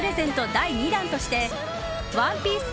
第２弾としてＯＮＥＰＩＥＣＥ